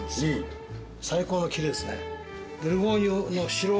最高のキレですね。